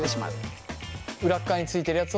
裏っ側に付いてるやつを？